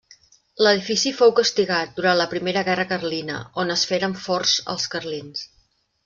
L'edifici fou castigat, durant la primera guerra carlina, on es feren forts els carlins.